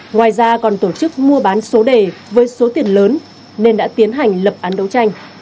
ngoài ra còn tổ chức mua bán số đề với số tiền lớn nên đã tiến hành lập án đấu tranh